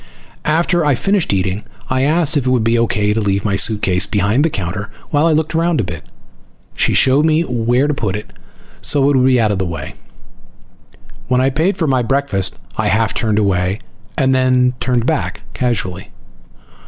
After I finished eating I asked if it would be okay to leave my suitcase behind the counter while I looked around a bit. She showed me where to put it so it would be out of the way. When I paid for my breakfast I half turned away, then turned back casually.